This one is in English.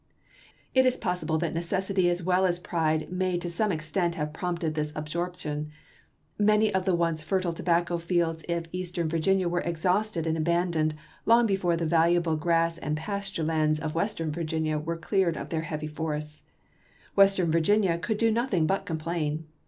It is possible that ne cessity as well as pride may to some extent have prompted this absorption ; many of the once fertile tobacco fields of Eastern Virginia were exhausted WEST VIRGINIA 329 and abandoned long before the valuable grass and CHAr.xix, pasture lands of Western Virginia were cleared of their heavy forests. Western Virginia could do nothing but complain.